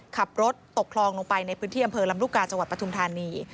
ขับรถตกคลองลงไปในพื้นที่อำเภอลำลูกกาจังหวัดปทุมธานี